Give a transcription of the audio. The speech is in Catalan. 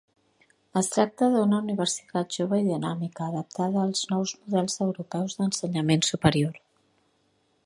Es tracta d'una universitat jove i dinàmica, adaptada als nous models europeus d'ensenyament superior.